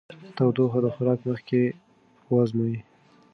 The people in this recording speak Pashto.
تودوخه د خوراک مخکې وازمویئ.